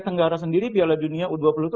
tenggara sendiri piala dunia u dua puluh itu